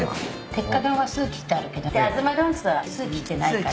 ・鉄火丼は酢切ってあるけどあずま丼っつうのは酢切ってないから。